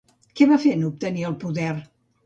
Què va fer en obtenir el poder?